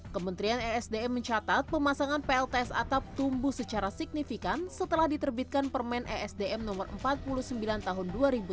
kementerian esdm mencatat pemasangan plts atap tumbuh secara signifikan setelah diterbitkan permen esdm no empat puluh sembilan tahun dua ribu sembilan belas